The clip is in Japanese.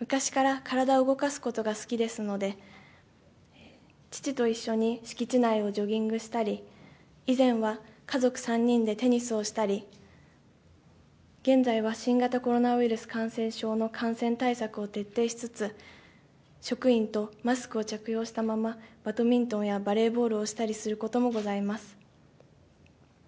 昔から体を動かすことが好きですので、父と一緒に敷地内のジョギングしたり、以前は家族３人でテニスをしたり、現在は新型コロナウイルス感染症の感染対策を徹底しつつ、職員とマスクを着用したままバドミントンやバレーボールをしたりすることもございます。